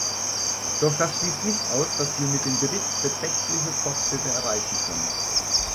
Doch das schließt nicht aus, dass wir mit dem Bericht beträchtliche Fortschritte erreichen können.